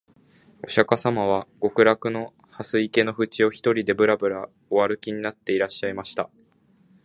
御釈迦様は極楽の蓮池のふちを、独りでぶらぶら御歩きになっていらっしゃいました